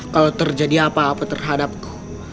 kalau terjadi apa apa terhadapku